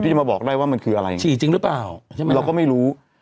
จะมาบอกได้ว่ามันคืออะไรฉี่จริงหรือเปล่าใช่ไหมเราก็ไม่รู้